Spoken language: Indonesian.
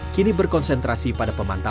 kini berkonsentrasi pada pemangkuan